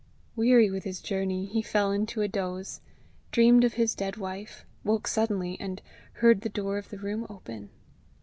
Weary with his journey he fell into a doze, dreamed of his dead wife, woke suddenly, and heard the door of the room open.